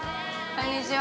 こんにちは。